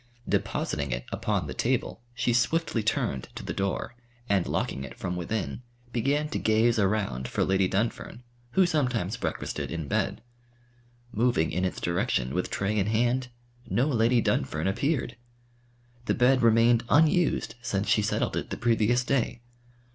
Depositing it upon the table, she swiftly turned to the door, and locking it from within, began to gaze around for Lady Dunfern, who sometimes breakfasted in bed. Moving in its direction with tray in hand, no Lady Dunfern appeared! The bed remained unused since she settled it the previous day.